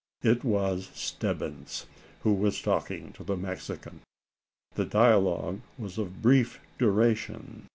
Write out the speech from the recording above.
It was Stebbins who was talking to the Mexican. The dialogue was of brief duration.